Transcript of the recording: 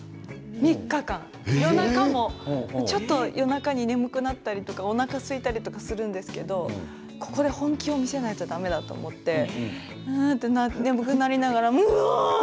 ３日間、夜中もちょっと夜中に眠くなったりおなかがすいたりとかするんですけどここで本気を見せないとだめだと思って眠くなりながらもうわーっ！